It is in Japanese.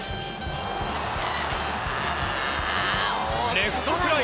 レフトフライ！